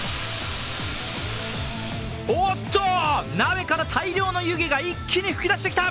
おおっと、鍋から大量の湯気が一気に吹き出してきた！